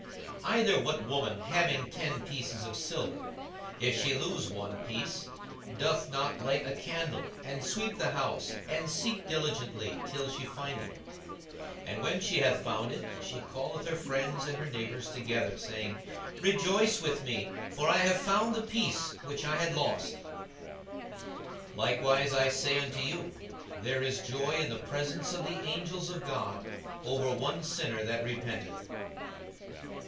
42:015:008 Either what woman having ten pieces of silver, if she lose one piece, doth not light a candle, and sweep the house, and seek diligently till she find it? 42:015:009 And when she hath found it, she calleth her friends and her neighbours together, saying, Rejoice with me; for I have found the piece which I had lost. 42:015:010 Likewise, I say unto you, there is joy in the presence of the angels of God over one sinner that repenteth.